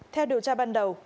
theo điều tra ban đầu